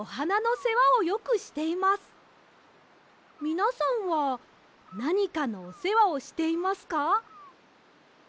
みなさんはなにかのおせわをしていますか？